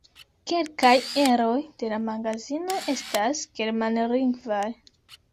Kelkaj eroj de la magazino estas germanlingvaj.